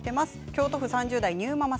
京都府３０代の方